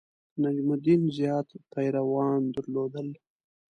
نجم الدین زیات پیروان درلودل.